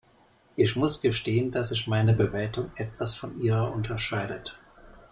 Ich muss gestehen, dass sich meine Bewertung etwas von ihrer unterscheidet.